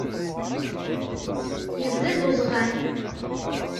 Yebda-d uzɣal.